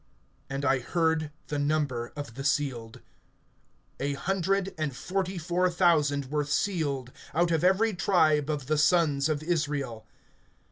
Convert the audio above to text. (4)And I heard the number of the sealed. A hundred and forty four thousand were sealed, out of every tribe of the sons of Israel.